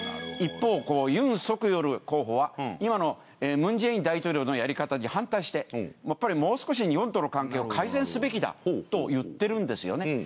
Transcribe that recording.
一方ユンソクヨル候補は今のムンジェイン大統領のやり方に反対してやっぱりもう少し日本との関係を改善すべきだと言っているんですよね。